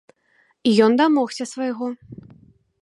І ён дамогся свайго.